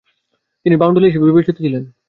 তিনি বাউণ্ডুলে হিসাবে বিবেচিত ছিলেন।